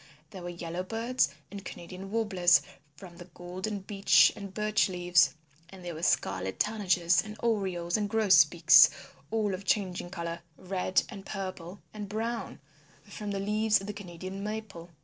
There were Yellowbirds and Canadian Warblers from the golden Beech and Birch leaves. And there were Scarlet Tanagers and Orioles and Grosbeaks all of changing colours, red and purple and brown, from the leaves of the Canadian Maple.